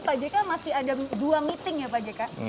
pak jk masih ada dua meeting ya pak jk